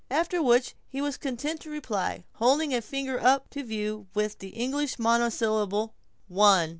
After which he was content to reply, holding a single finger up to view, with the English monosyllable: "One."